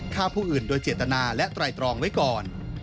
ฆ่าผู้อื่นโดยเจตนาและไตรตรองไว้ก่อน